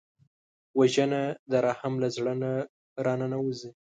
وژنه د رحم له زړه نه را نهوزي